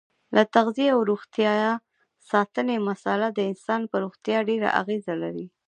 د تغذیې او روغتیا ساتنې مساله د انسان په روغتیا ډېره اغیزه لري.